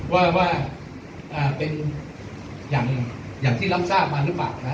ว่าว่าอ่าเป็นอย่างอย่างที่รับทราบมาหรือเปล่านะฮะ